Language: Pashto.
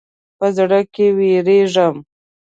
په زړه کې وېرېدم.